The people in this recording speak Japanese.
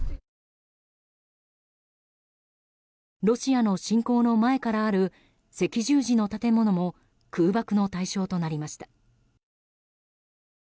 ロシアの侵攻の前からある赤十字の建物も空爆の対象となりました。